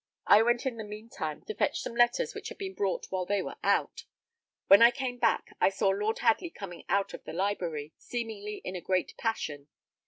I went in the mean time to fetch some letters which had been brought while they were out. When I came back, I saw Lord Hadley coming out of the library, Seemingly in a great passion.